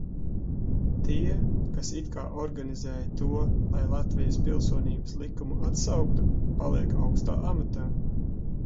Tie, kas it kā organizēja to, lai Latvijas Pilsonības likumu atsauktu, paliek augstā amatā.